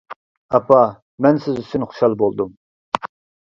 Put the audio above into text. -ئاپا، مەن سىز ئۈچۈن خۇشال بولدۇم.